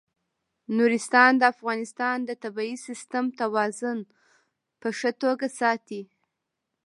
نورستان د افغانستان د طبعي سیسټم توازن په ښه توګه ساتي.